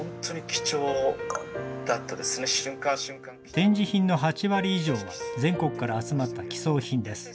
展示品の８割以上は、全国から集まった寄贈品です。